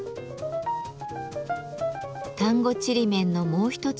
丹後ちりめんのもう一つの特徴